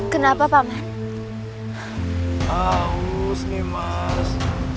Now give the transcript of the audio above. kenapa pak man